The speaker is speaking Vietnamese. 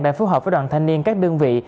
đã phối hợp với đoàn thanh niên các đơn vị